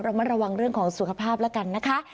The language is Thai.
มาระวังเรื่องของสุขภาพแล้วกันนะคะ